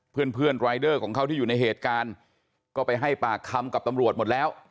เพื่อนเพื่อนรายเดอร์ของเขาที่อยู่ในเหตุการณ์ก็ไปให้ปากคำกับตำรวจหมดแล้ว